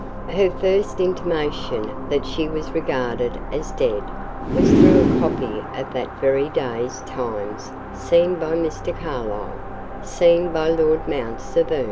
Her first intimation that she was regarded as dead, was through a copy of that very day's Times seen by Mr. Carlyle seen by Lord Mount Severn.